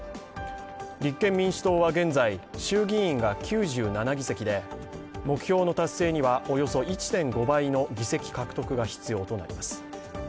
立憲民主党は現在、衆議院が９７議席で目標の達成にはおよそ１．５倍の議席獲得が必要となります。